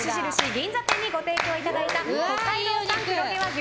銀座店にご提供いただいた北海道産黒毛和牛